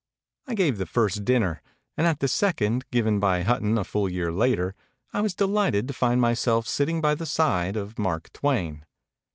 I gave the first dinner; and at the second, given by Hutton a full year later, I was delighted to find myself sitting by the side of Mark Twain.